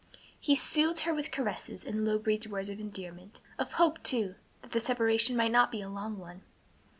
He soothed her with caresses and low breathed words of endearment; of hope, too, that the separation might not be a long one.